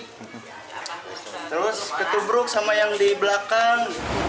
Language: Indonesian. terus ketubruk sama yang di belakang